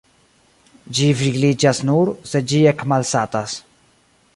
Ĝi vigliĝas nur, se ĝi ekmalsatas.